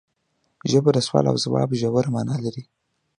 ژبه د سوال او ځواب ژوره معنی لري